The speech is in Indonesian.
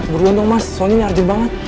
buruan dong mas suaminya arjun banget